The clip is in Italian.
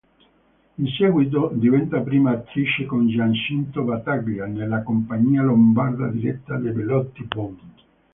In seguito diventa prima attrice con Giacinto Battaglia nella Compagnia Lombarda diretta da Bellotti-Bon.